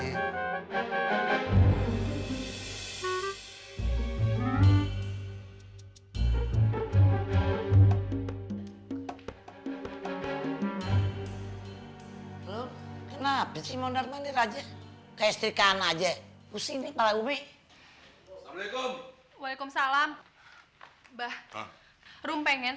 kenapa sih mau narmanya aja